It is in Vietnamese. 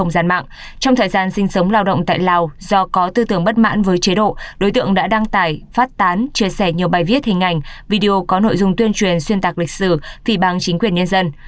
trong thời gian sinh sống lao động tại lào do có tư tưởng bất mãn với chế độ đối tượng đã đăng tải phát tán chia sẻ nhiều bài viết hình ảnh video có nội dung tuyên truyền xuyên tạc lịch sử phỉ bằng chính quyền nhân dân